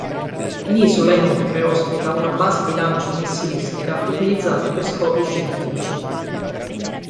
L'isola inoltre ospita una base di lancio missilistica utilizzata per scopi scientifici.